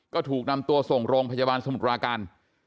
ก็ถูกนำตัวส่งโรงพยาบาลสมุทรปราการ